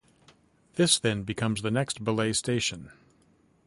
This then becomes the next belay station.